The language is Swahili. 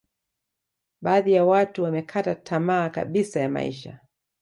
badhi ya watu wamekata tama kabisa ya maisha